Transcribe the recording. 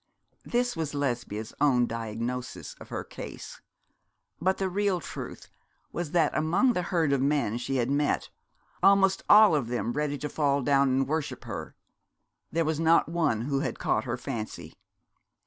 This was Lesbia's own diagnosis of her case: but the real truth was that among the herd of men she had met, almost all of them ready to fall down and worship her, there was not one who had caught her fancy.